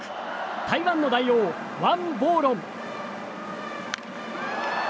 台湾の大王、ワン・ボーロン。